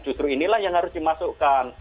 justru inilah yang harus dimasukkan